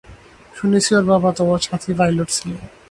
শুনেছি ওর বাবা তোমার সাথী পাইলট ছিল।